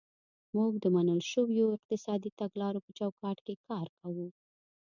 موږ د منل شویو اقتصادي تګلارو په چوکاټ کې کار کوو.